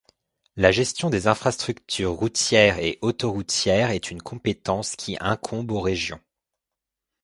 La gestion des infrastructures routières et autoroutières est une compétence qui incombe aux régions.